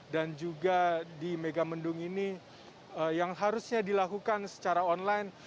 dan juga di megamendung ini yang harusnya dilakukan secara online